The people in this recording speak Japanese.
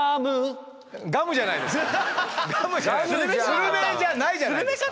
スルメじゃないじゃないですか。